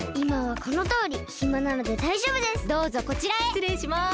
しつれいします。